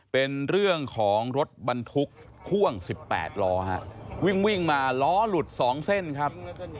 เป็นเรื่องของรถบรรทุกพ่วง๑๘ล้อวิ่งมาล้อหลุด๒เส้นครับ